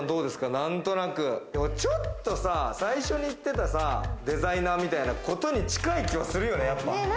何となく、ちょっと最初に言ってたデザイナーみたいに近い気はするよね。